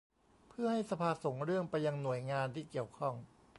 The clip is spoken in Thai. เพื่อให้สภาส่งเรื่องไปยังหน่วยงานที่เกี่ยวข้อง